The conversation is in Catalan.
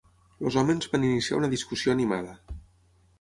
Els homes van iniciar una discussió animada.